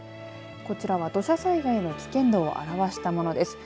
こちらは土砂災害の危険度を表したものです。